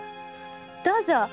どうぞ。